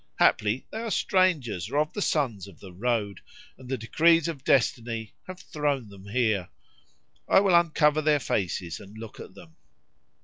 Haply they are strangers or of the Sons of the Road,[FN#45] and the decrees of Destiny have thrown them here. I will uncover their faces and look at them."